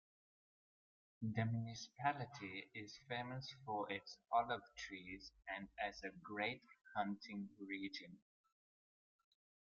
The municipality is famous for its olive trees and as a great hunting region.